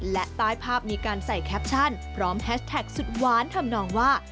และใต้ภาพมีการใส่แคปชั่นพร้อมแฮชแท็กสุดหวานทำนองว่า